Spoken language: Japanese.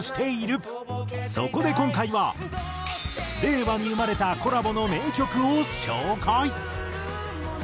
そこで今回は令和に生まれたコラボの名曲を紹介。